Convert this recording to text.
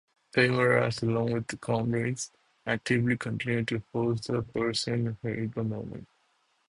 Teimuraz, along with his comrades, actively continued to oppose the Persian hegemony.